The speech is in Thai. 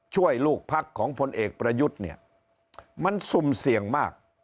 ช่วยลูกพักของพลเอกประยุทธ์เนี่ยมันสุ่มเสี่ยงมาก